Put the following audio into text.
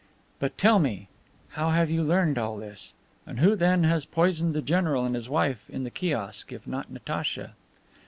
"But, tell me, how have you learned all this? And who then has poisoned the general and his wife, in the kiosk, if not Natacha?"